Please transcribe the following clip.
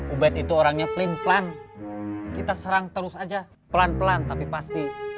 ubed itu orangnya pelin pelan kita serang terus aja pelan pelan tapi pasti